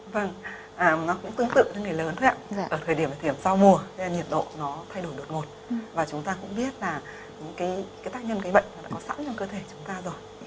vâng nó cũng tương tự với người lớn thôi ạ ở thời điểm sau mùa nhiệt độ nó thay đổi đột ngột và chúng ta cũng biết là những cái tác nhân cái bệnh đã có sẵn trong cơ thể chúng ta rồi